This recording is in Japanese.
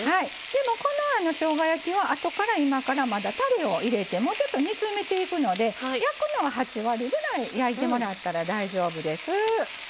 でもこのしょうが焼きはあとから今からまだたれを入れてもうちょっと煮詰めていくので焼くのは８割ぐらい焼いてもらったら大丈夫です。